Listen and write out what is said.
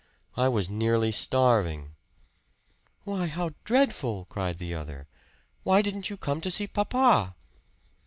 I was nearly starving." "Why, how dreadful!" cried the other. "Why didn't you come to see papa?"